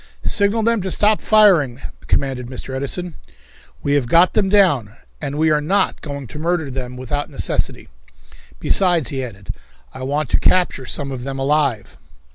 "Signal them to stop firing," commanded Mr. Edison. "We have got them down, and we are not going to murder them without necessity." "Besides," he added, "I want to capture some of them alive."